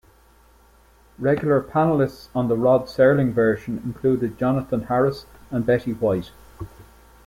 Regular panelists on the Rod Serling version included Jonathan Harris and Betty White.